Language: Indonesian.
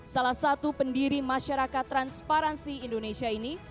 salah satu pendiri masyarakat transparansi indonesia ini